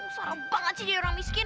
serem banget sih jadi orang miskin